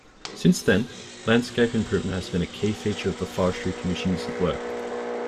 Since then, landscape improvement has been a key feature of the Forestry Commission's work.